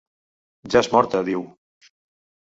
Ja és morta, diu.